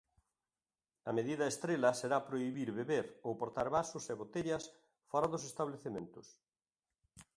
A medida estrela será prohibir beber ou portar vasos e botellas fóra dos establecementos.